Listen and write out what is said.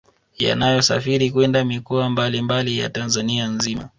Yanayosafiri kwenda mikoa mbali mbali ya Tanzania nzima